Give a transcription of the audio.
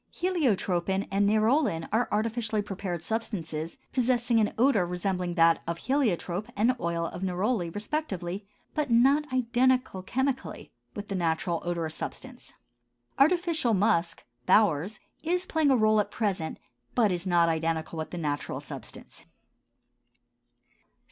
Heliotropin and nerolin are artificially prepared substances, possessing an odor resembling that of heliotrope and oil of neroli, respectively, but not identical chemically with the natural odorous substance. Artificial musk (Baur's), is playing a rôle at present, but is not identical with the natural substance.